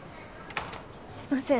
すいません